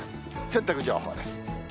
洗濯情報です。